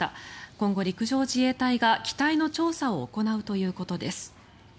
今後、陸上自衛隊が機体の調査を行うということです。